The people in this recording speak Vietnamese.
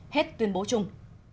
hết tuyên bố chung